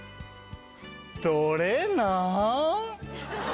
どれなん？